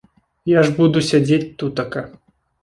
Я ж буду сядзець тутака.